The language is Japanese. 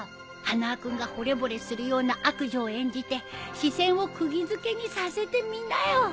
花輪君がほれぼれするような悪女を演じて視線を釘付けにさせてみなよ。